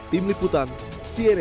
tim liputan cnn indonesia